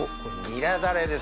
ニラダレです。